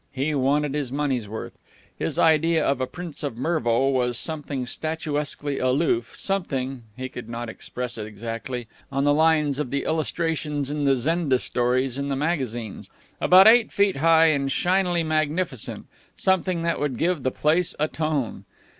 He wanted his money's worth. His idea of a Prince of Mervo was something statuesquely aloof, something he could not express it exactly on the lines of the illustrations in the Zenda stories in the magazines about eight feet high and shinily magnificent, something that would give the place a tone.